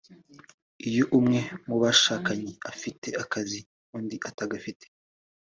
Iyo umwe mu bashakanye afite akazi undi atagafite